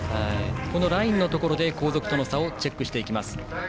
ラインのところで後続との差をチェックします。